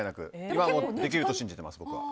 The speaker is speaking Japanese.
今もできると信じてます、僕は。